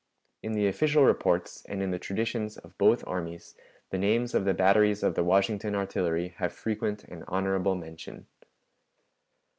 In the official reports and in the traditions of both armies the names of the batteries of the Washington Artillery have frequent and honorable mention.